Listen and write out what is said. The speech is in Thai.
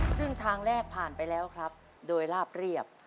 ครึ่งทางแรกผ่านไปแล้วครับโดยลาบเรียบ